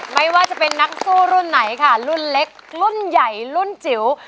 ไม่ว่าจะเป็นนักสู้รุ่นไหนค่ะรุ่นเล็กรุ่นใหญ่รุ่นจิ๋ว